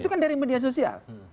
itu kan dari media sosial